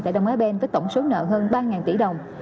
tại đông á bên với tổng số nợ hơn ba tỷ đồng